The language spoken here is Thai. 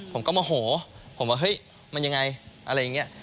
ผมก็โมโหผมว่าเฮ้ยมันยังไงอะไรอย่างนี้